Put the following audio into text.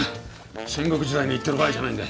戦国時代に行ってる場合じゃないんだ。